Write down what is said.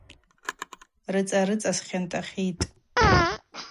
Рыцӏа-рыцӏа схьантахитӏ.